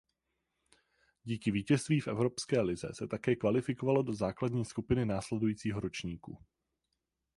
Díky vítězství v Evropské lize se také kvalifikovalo do základní skupiny následujícího ročníku.